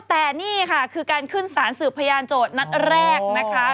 แต่นี่ค่ะคือการขึ้นสารสืบพยานโจทย์นัดแรกนะคะ